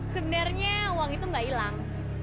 sebenernya uang itu gak hilang